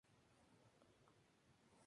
El mandato anterior era de cuatro años.